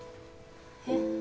えっ？